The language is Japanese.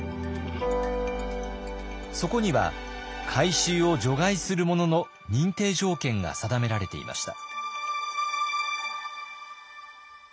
そこには回収を除外するものの認定条件が定められていました。